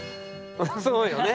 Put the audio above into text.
そうよね。